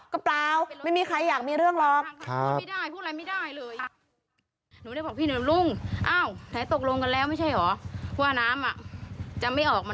ก็เปล่าไม่มีใครอยากมีเรื่องหรอก